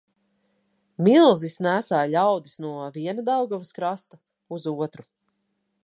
Milzis nēsāja ļaudis no viena Daugavas krasta uz otru.